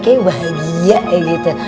kayaknya bahagia gitu